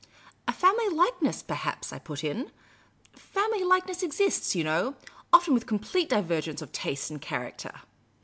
" A family likeness, perhaps," I put in. " Family like nesses exist, you know — often with complete divergence of tastes and character."